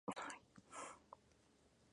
Tanto la madre como el hijo aparecen coronados.